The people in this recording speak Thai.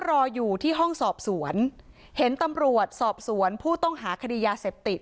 รออยู่ที่ห้องสอบสวนเห็นตำรวจสอบสวนผู้ต้องหาคดียาเสพติด